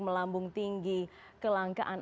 melambung tinggi kelangkaan